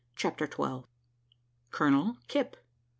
CHAPTER TWELVE. COLONEL KIPP.